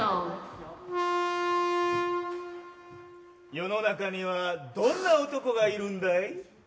世の中にはどんな男がいるんだい。